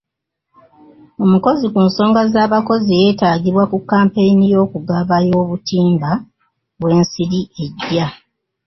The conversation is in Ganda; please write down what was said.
Omukozi ku nsonga z'abakozi yeetaagibwa ku kampeyini y'okugaba y'obutimba bw'ensiri ejja.